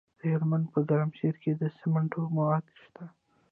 د هلمند په ګرمسیر کې د سمنټو مواد شته.